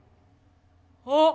あっ！